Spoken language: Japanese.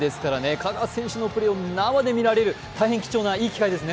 香川選手の生で見られる大変貴重ないい機会ですね。